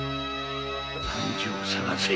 三次を捜せ！